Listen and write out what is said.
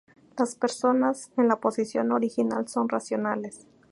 Las personas en la posición original son racionales.